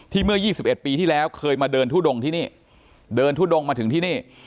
ที่เมื่อยี่สิบเอ็ดปีที่แล้วเคยมาเดินทู่ดงที่นี่เดินทู่ดงมาถึงที่นี่